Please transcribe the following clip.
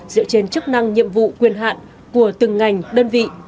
dựa trên chức năng nhiệm vụ quyền hạn của từng ngành đơn vị